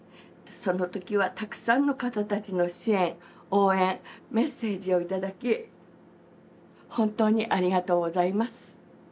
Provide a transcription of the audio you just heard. その時はたくさんの方たちの支援応援メッセージを頂き本当にありがとうございます。